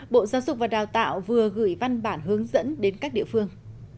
bộ giáo dục và đào tạo vừa gửi văn bản hướng dẫn đến các địa phương